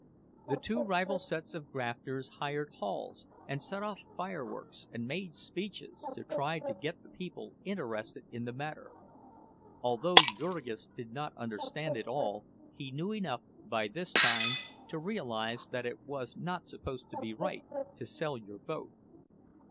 The two rival sets of grafters hired halls and set off fireworks and made speeches, to try to get the people interested in the matter. Although Jurgis did not understand it all, he knew enough by this time to realize that it was not supposed to be right to sell your vote.